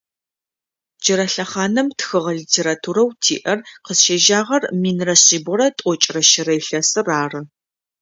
Джырэ лъэхъаным тхыгъэ литературэу тиӏэр къызщежьагъэр минрэ шъибгъурэ тӏокӏрэ щырэ илъэсыр ары.